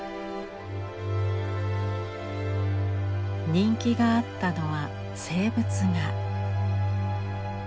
人気があったのは静物画。